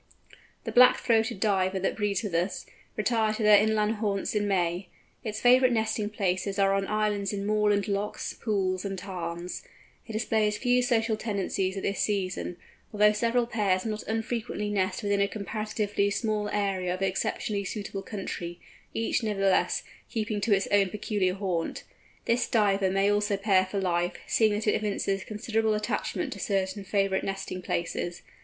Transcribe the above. The Black throated Divers that breed with us, retire to their inland haunts in May. Its favourite nesting places are on islands in moorland lochs, pools, and tarns. It displays few social tendencies at this season, although several pairs not unfrequently nest within a comparatively small area of exceptionally suitable country, each, nevertheless, keeping to its own particular haunt. This Diver may also pair for life, seeing that it evinces considerable attachment to certain favourite nesting places.